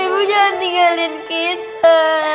ibu jangan tinggalin kita